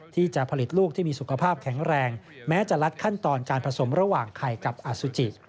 ที่จะผลิตลูกที่มีสุขภาพแข็งแรงแม้จะลัดขั้นตอนการผสมระหว่างไข่กับอสุจิ